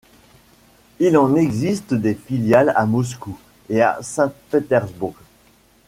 Il en existe des filiales à Moscou et à Saint-Pétersbourg.